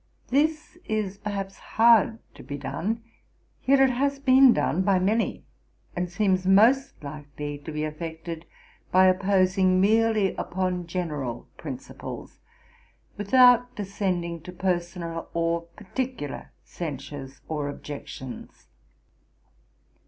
This is, perhaps, hard to be done; yet it has been done by many, and seems most likely to be effected by opposing merely upon general principles, without descending to personal or particular censures or objections.